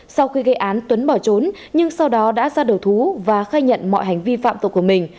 sau khi gây án tuấn bỏ trốn nhưng sau đó đã ra đầu thú và khai nhận mọi hành vi phạm tội của mình